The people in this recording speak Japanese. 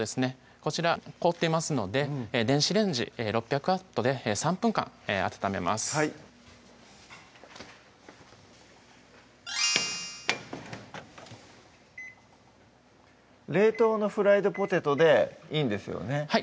こちら凍っていますので電子レンジ６００Ｗで３分間温めます冷凍のフライドポテトでいいんですよねはい